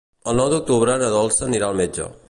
El nou d'octubre na Dolça anirà al metge.